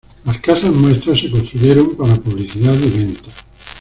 Las Casas Muestra se construyeron para publicidad y venta.